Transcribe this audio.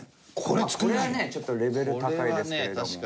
これはねちょっとレベル高いですけれども。